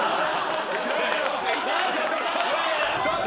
ちょっと！